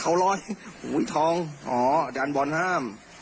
ทองล้อยโอ้ยทองจานบอลห้าม